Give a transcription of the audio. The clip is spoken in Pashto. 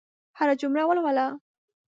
هره جمله ولوله.